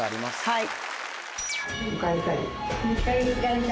はい！